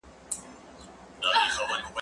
که وخت وي، کتاب وليکم!.!.